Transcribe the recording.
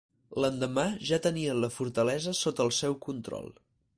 L'endemà ja tenien la fortalesa sota el seu control.